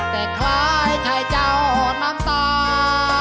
แต่คล้ายชายเจ้าน้ำตา